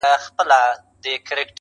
ګرفتاره په منګول د کورونا سو!!